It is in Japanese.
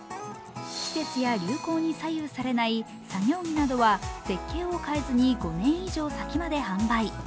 季節や流行に左右されない作業着などは設計を変えずに５年以上先まで販売。